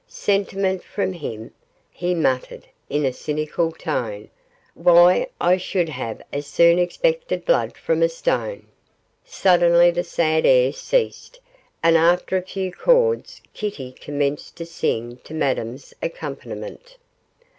'Sentiment from him?' he muttered, in a cynical tone; 'why, I should have as soon expected blood from a stone.' Suddenly the sad air ceased, and after a few chords, Kitty commenced to sing to Madame's accompaniment.